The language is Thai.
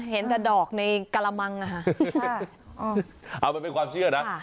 เห็นแต่ดอกในกะละมังอ่ะฮะเอามาเป็นความเชื่อนะค่ะ